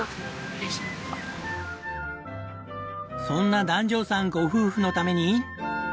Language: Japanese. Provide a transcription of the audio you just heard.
そんな檀上さんご夫婦のために。